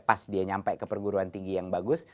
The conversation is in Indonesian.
pas dia nyampe ke perguruan tinggi yang bagus